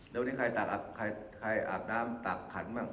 แล้ววันนี้ใครอาบน้ำตากขันบ้าง